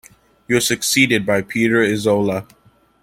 He was succeeded by Peter Isola.